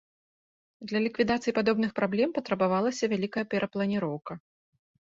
Для ліквідацыі падобных праблем патрабавалася вялікая перапланіроўка.